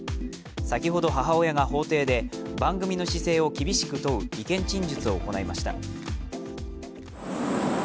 先ほど母親が法廷で、番組の姿勢を厳しく問う意見陳述を行いました。